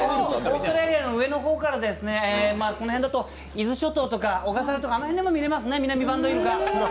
オーストラリアの上の方からですね、伊豆諸島とか小笠原とか、あの辺でも見れますね、ミナミバンドウイルカ。